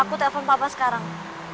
aku telepon bapak sekarang